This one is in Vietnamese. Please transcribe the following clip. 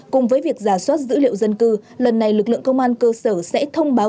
cùng với việc giả soát dữ liệu dân cư lần này lực lượng công an cơ sở sẽ thông báo